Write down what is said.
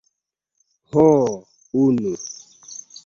Ho... unu.